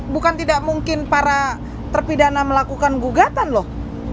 bukan tidak mungkin para terpidana melakukan gugatan loh